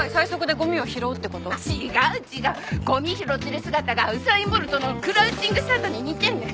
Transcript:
ゴミ拾ってる姿がウサイン・ボルトのクラウチングスタートに似てるのよ。